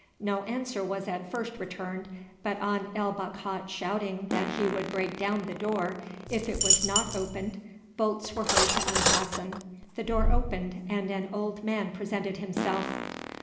No answer was at first returned, but on El Bakhat shouting that he would break down the door if it was not opened, bolts were heard to unfasten. The door opened, and an old man presented himself.